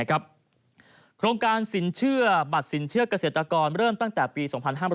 โครงการสินเชื่อบัตรสินเชื่อเกษตรกรเริ่มตั้งแต่ปี๒๕๕๘